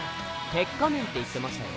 鉄仮面って言ってましたよ。